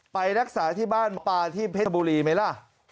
ไปรักษาที่บ้านปลาที่เพชรบุรีไหมล่ะ